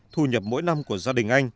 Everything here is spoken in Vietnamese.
thu nhập mỗi năm của gia đình anh